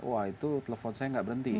wah itu telepon saya nggak berhenti